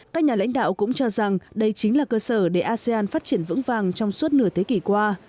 các nhà lãnh đạo cũng cho rằng đây chính là cơ sở để asean phát triển vững vàng trong suốt nửa thế kỷ qua